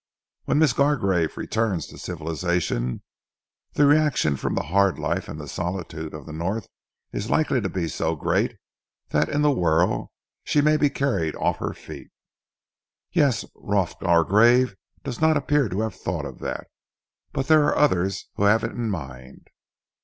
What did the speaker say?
When Miss Gargrave returns to civilization, the reaction from the hard life and the solitude of the North is likely to be so great that in the whirl she may be carried off her feet." "Yes, Rolf Gargrave does not appear to have thought of that. But there are others who have it in mind."